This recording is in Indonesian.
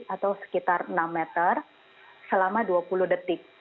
atau sekitar enam meter selama dua puluh detik